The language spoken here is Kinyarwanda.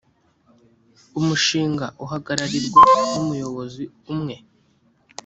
umushinga uhagararirwa numuyobozi umwe.